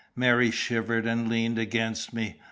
Mary shivered and leaned against me.